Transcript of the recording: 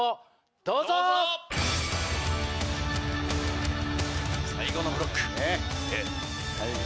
どうぞ！最後のブロック。